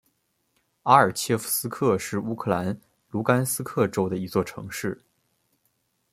阿尔切夫斯克是乌克兰卢甘斯克州的一座城市。